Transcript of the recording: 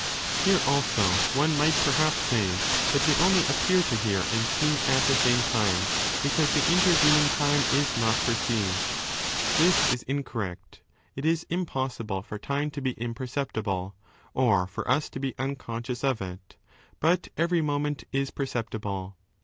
Here, also, one might perhaps say that we only appear to hear and see at the same time, because the intervening time is not perceived. This is incorrect ; it is impossible for time to be imperceptible, or for us to be unconscious of it, but every moment is perceptible.